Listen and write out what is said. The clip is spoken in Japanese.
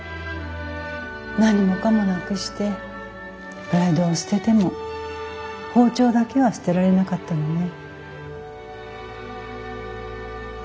何もかもなくしてプライドを捨てても包丁だけは捨てられなかったのね。